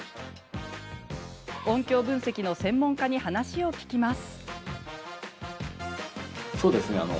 音響分析の専門家に話を聞きます。